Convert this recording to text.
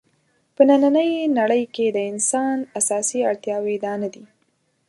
په نننۍ نړۍ کې د انسان اساسي اړتیاوې دا نه دي.